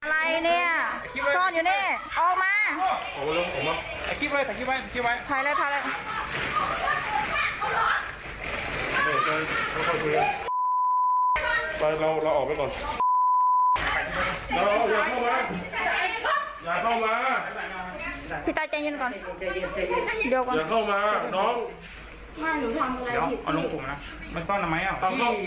พามาเลยดีกว่า